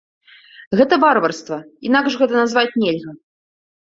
Гэта варварства, інакш гэта назваць нельга!